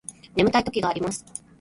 眠たい時があります